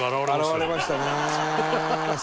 現れましたね。